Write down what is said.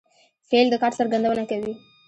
فعل د کار څرګندونه کوي.